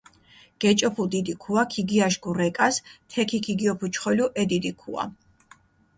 გეჭოფუ დიდი ქუა, ქიგიაშქუ რეკას, თექი ქიგიოფუჩხოლჷ ე დიდი ქუა.